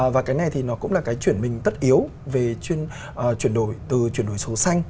và cái này thì nó cũng là cái chuyển mình tất yếu về chuyển đổi từ chuyển đổi số xanh